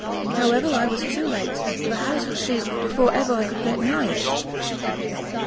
However, I was too late, for the house was seized before ever I could get nigh it."